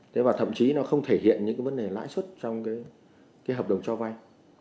thế mà thậm chí nó không thể hiện những vấn đề lãi xuất trong cái hợp đồng cho vay